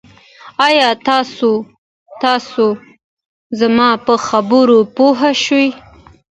آیا تاسي زما په خبرو پوه شوي